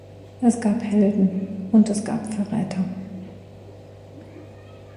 Es gab Helden, und es gab Verräter.